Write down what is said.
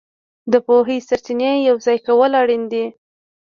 د پوهې سرچینې یوځای کول اړین دي.